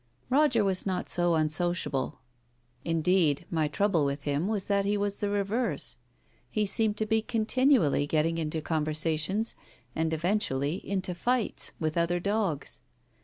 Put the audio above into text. Roger was not so unsociable. Indeed, my trouble with him was that he was the reverse. He seemed to be continually getting into conversations, and eventually into fights, with other dogs.